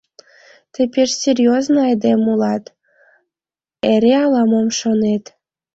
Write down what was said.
Тый пеш серьёзный айдем улат, эре ала-мом шонет.